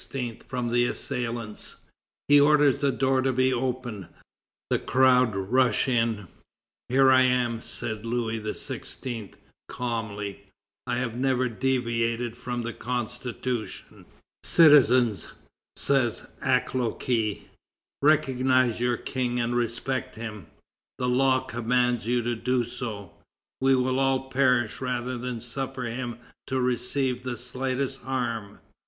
from the assailants. He orders the door to be opened. The crowd rush in. "Here I am," says Louis XVI. calmly; "I have never deviated from the Constitution." "Citizens," says Acloque, "recognize your King and respect him; the law commands you to do so. We will all perish rather than suffer him to receive the slightest harm."